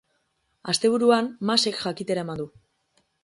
Asteburuan Masek jakitera eman du.